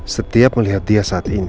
setiap melihat dia